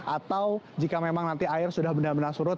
atau jika memang nanti air sudah benar benar surut